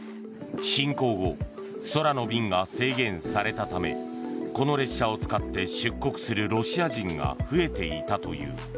侵攻後、空の便が制限されたためこの列車を使って出国するロシア人が増えていたという。